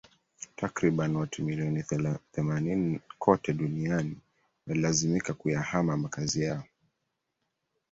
Takribani watu milioni themanini kote duniani walilazimika kuyahama makazi yao